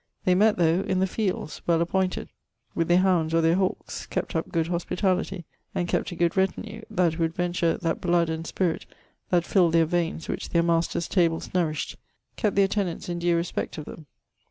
They mett tho in the fields, well appointed, with their hounds or their hawkes; kept up good hospitality; and kept a good retinue, that would venture that bloud and spirit that filled their vaines which their masters' tables nourisht; kept their tenants in due respect of them.